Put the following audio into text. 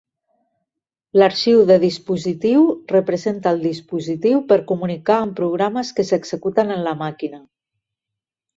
L'arxiu de dispositiu representa al dispositiu per comunicar amb programes que s'executen en la màquina.